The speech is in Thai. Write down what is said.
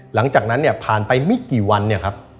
หลังจากนั้นเนี่ยผ่านไปไม่กี่วันเนี่ยครับ